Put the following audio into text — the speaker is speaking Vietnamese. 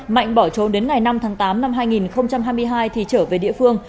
mạnh bỏ trốn đến ngày năm tháng tám năm hai nghìn hai mươi hai thì trở về địa phương